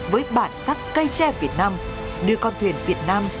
với bản sắc cây tre việt nam nơi con thuyền việt nam